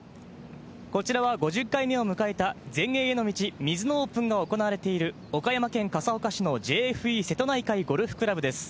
こちらは５０回目を迎えた全英への道、ミズノオープンが行われている、岡山県笠岡市のＪＦＥ瀬戸内海ゴルフクラブです。